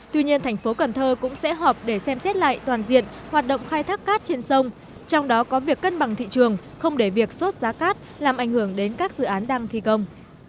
tuy nhiên thành phố cần thơ cũng sẽ họp để xem xét lại toàn diện hoạt động khai thác cát trên sông trong đó có việc cân bằng thị trường không để việc sốt giá cát làm ảnh hưởng đến các dự án đang thi công